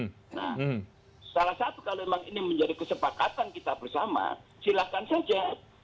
nah salah satu kalau memang ini menjadi kesepakatan kita bersama silahkan saja